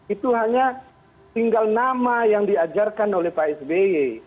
itu hanya tinggal nama yang diajarkan oleh pak sby